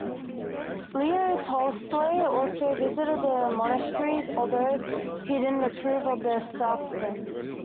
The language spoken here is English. Leo Tolstoy also visited the monastery, although he didn't approve of the staretsdom.